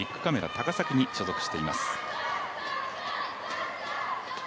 高崎に所属しています。